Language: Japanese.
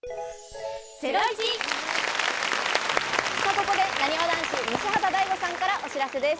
ここで、なにわ男子・西畑大吾さんからお知らせです。